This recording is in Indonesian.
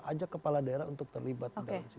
ajak kepala daerah untuk terlibat